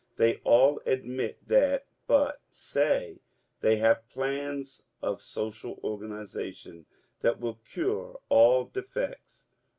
They all admit that, but say they have plans of social organization that will cure all de fects.